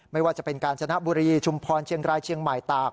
ไม่ว่าจะเป็นกาญจนบุรีชุมพรเชียงรายเชียงใหม่ตาก